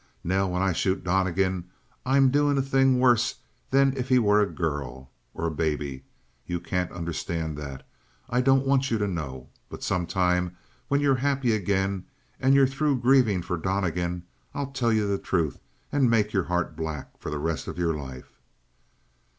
Nell, when I shoot Donnegan I'm doing a thing worse than if he was a girl or a baby. You can't understand that; I don't want you to know. But some time when you're happy again and you're through grieving for Donnegan, I'll tell you the truth and make your heart black for the rest of your life."